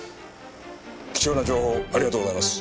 貴重な情報ありがとうございます。